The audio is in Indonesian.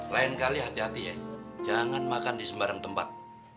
lain kali hati hati ya jangan makan di sembarang tempat